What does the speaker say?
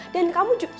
dan kamu juga